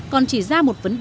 còn chỉ ra một vấn đề khó